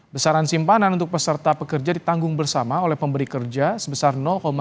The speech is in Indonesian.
besaran simpanan untuk peserta pekerja ditanggung bersama oleh pemberi kerja sebesar